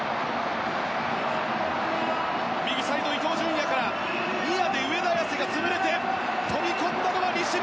右サイド、伊東純也からニアで上田綺世が潰れて飛び込んだのは西村。